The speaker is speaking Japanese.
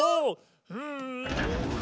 うん！